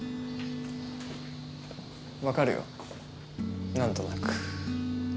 分かるよ何となく。